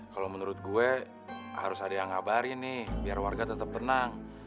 kalau menurut gue harus ada yang ngabarin nih biar warga tetap tenang